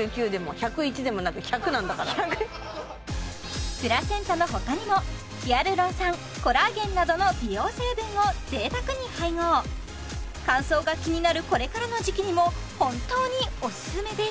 すごいそれもすごいプラセンタの他にもヒアルロン酸コラーゲンなどの美容成分を贅沢に配合乾燥が気になるこれからの時期にも本当におすすめです